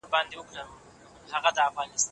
د کور ستونزې باید د کار وخت ونه ګډېږي.